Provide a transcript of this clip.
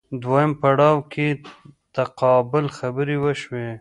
دویم پړاو کې تقابل خبرې وشوې